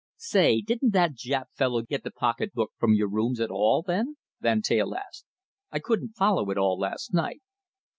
"Say, didn't that Jap fellow get the pocketbook from your rooms at all, then?" Van Teyl asked. "I couldn't follow it all last night."